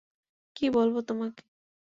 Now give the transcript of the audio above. কি বলবো তোমাকে?